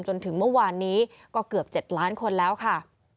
จนถึงเมื่อวานนี้ก็เกือบ๗ล้านคนแล้วค่ะ